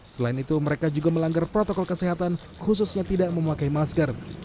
selain itu mereka juga melanggar protokol kesehatan khususnya tidak memakai masker